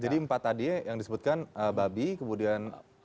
jadi empat tadi yang disebutkan babi kemudian